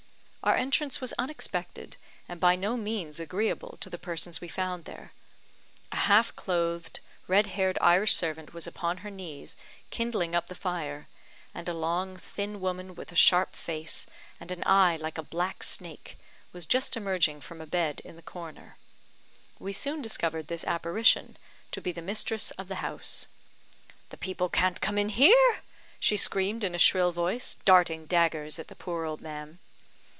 Our entrance was unexpected, and by no means agreeable to the persons we found there. A half clothed, red haired Irish servant was upon her knees, kindling up the fire; and a long, thin woman, with a sharp face, and an eye like a black snake, was just emerging from a bed in the corner. We soon discovered this apparition to be the mistress of the house. "The people can't come in here!" she screamed in a shrill voice, darting daggers at the poor old man.